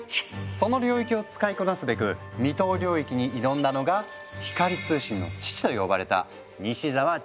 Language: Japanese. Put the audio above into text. その領域を使いこなすべく未踏領域に挑んだのが「光通信の父」と呼ばれた西澤潤一さん。